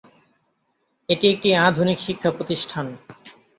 এটি একটি আধুনিক শিক্ষা প্রতিষ্ঠান।